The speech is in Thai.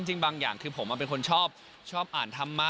จริงบางอย่างคือผมเป็นคนชอบอ่านธรรมะ